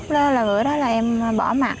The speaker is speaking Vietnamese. lúc đó là người đó là em bỏ mặt